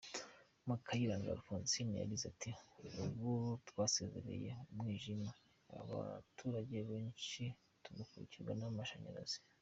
Mukayiranga Alphonsine yagize ati “Ubu twasezereye umwijima, abaturage benshi tumurikirwa n’amashanyarazi.